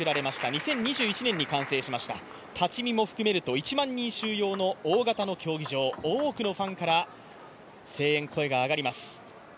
２０２１年に完成しました、立ち見も含めると１万人収容の大型の競技場多くのファンから声援、声が上がります。